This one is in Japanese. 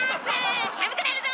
寒くなるぞ！